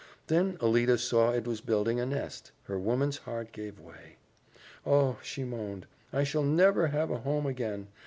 Then Alida saw it was building a nest. Her woman's heart gave way. "Oh," she moaned, "I shall never have a home again!